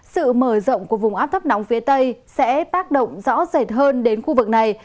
sự mở rộng của vùng áp thấp nóng phía tây sẽ tác động rõ rệt hơn đến khu vực này